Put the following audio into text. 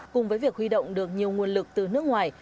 cùng với việc huy động được nhiều nguồn lực từ nước ngoài